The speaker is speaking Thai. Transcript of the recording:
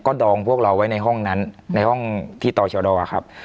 ก็ดองพวกเราไว้ในห้องนั้นในห้องที่ต่อชะดอะครับ